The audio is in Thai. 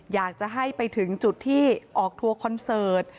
อยากจะให้ไปถึงจุดที่ออกทัวร์คอนเสิร์ต